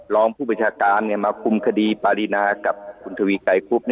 รองผู้บัญชาการมาคุมคดีปารีนากับคุณทวีไกรคุบ